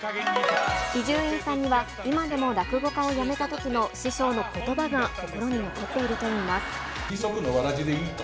伊集院さんには、今でも落語家を辞めたときの師匠のことばが心に残っているといい二足のわらじでいいと。